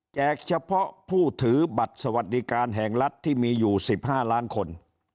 เฉพาะผู้ถือบัตรสวัสดิการแห่งรัฐที่มีอยู่๑๕ล้านคน